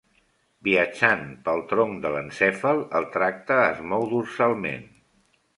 Viatjant pel tronc de l'encèfal, el tracte es mou dorsalment.